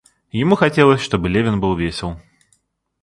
Ему хотелось, чтобы Левин был весел.